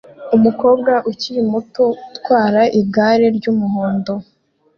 Umukobwa ukiri muto utwara igare rye ry'umuhondo